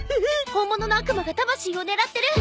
本物の悪魔が魂を狙ってる！